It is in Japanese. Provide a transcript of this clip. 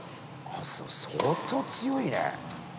相当強いね。